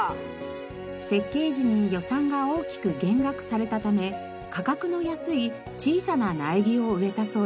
設計時に予算が大きく減額されたため価格の安い小さな苗木を植えたそうです。